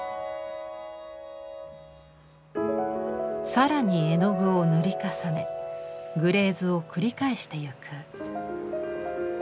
更に絵の具を塗り重ねグレーズを繰り返していく。